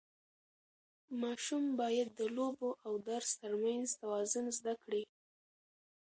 ماشوم باید د لوبو او درس ترمنځ توازن زده کړي.